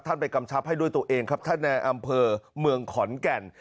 ไปกำชับให้ด้วยตัวเองครับท่านในอำเภอเมืองขอนแก่น